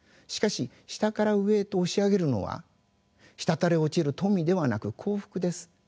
しかし下から上へと押し上げるのは滴れ落ちる富ではなく幸福です。